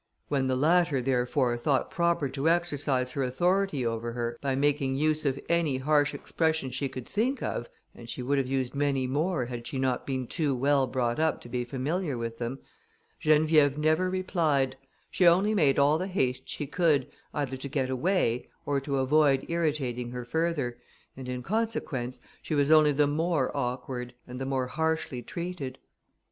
When the latter, therefore, thought proper to exercise her authority over her, by making use of any harsh expression she could think of (and she would have used many more had she not been too well brought up to be familiar with them), Geneviève never replied; she only made all the haste she could, either to get away, or to avoid irritating her further, and in consequence, she was only the more awkward, and the more harshly treated.